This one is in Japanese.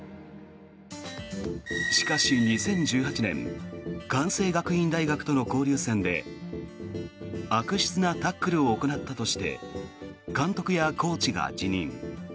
しかし、２０１８年関西学院大学との交流戦で悪質なタックルを行ったとして監督やコーチが辞任。